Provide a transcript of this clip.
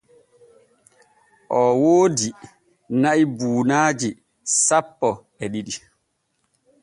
Oo woodi na’i buunaaji sappo e ɗiɗi.